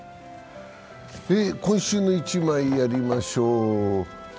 「今週の一枚」やりましょう。